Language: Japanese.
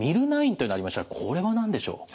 Ｍｙｌ９というのがありましたがこれは何でしょう？